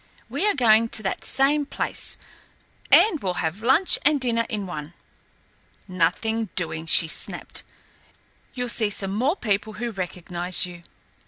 We are going to that same place, and we'll have lunch and dinner in one." "Nothing doing," she snapped. "You'll see some more people who recognise you."